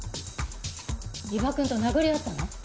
伊庭くんと殴り合ったの？